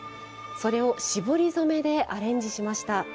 それを絞り染めでアレンジしました。